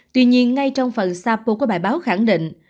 tuy nhiên ngay trong phần sáp vô của bài báo khẳng định